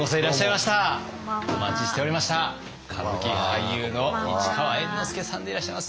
歌舞伎俳優の市川猿之助さんでいらっしゃいます。